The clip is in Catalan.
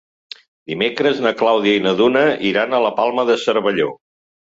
Dimecres na Clàudia i na Duna iran a la Palma de Cervelló.